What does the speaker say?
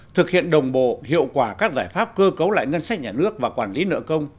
thực hiện đồng bộ hiệu quả các giải pháp cơ cấu lại ngân sách nhà nước và quản lý nợ công